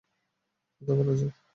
কথা বলা যাক।